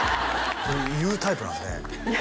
言うタイプなんですね